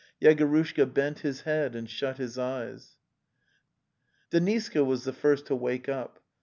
Yegorushka bent his head and shut his eyes ned): Deniska was the first to wake up.